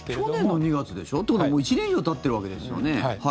去年の２月でしょ？ということは、もう１年以上たってるわけですよね。